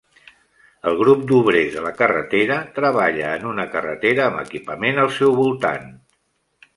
El grup d'obrers de la carretera treballa en una carretera amb equipament al seu voltant.